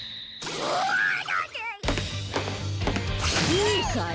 いいかい？